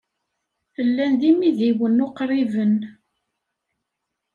Llan d imidiwen uqriben.